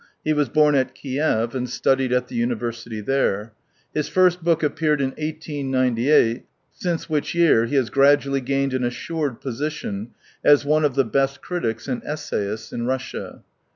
He was bora at Kiev, and studied at the university there. His first book appeared in 1898, since which year he has gradually gained an assured position as one of the best critics and essajdsts in Russia.